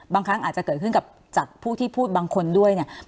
บางครั้งอาจจะเกิดขึ้นกับจากผู้ที่พูดบางคนด้วยเนี่ย